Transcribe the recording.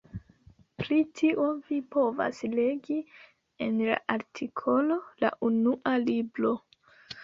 Pri tio vi povas legi en la artikolo La Unua Libro.